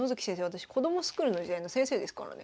私子どもスクールの時代の先生ですからね。